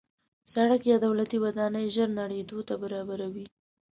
سړک یا دولتي ودانۍ ژر نړېدو ته برابره وي.